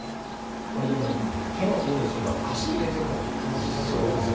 これでも手もそうですけど足入れても気持ち良さそうですよね。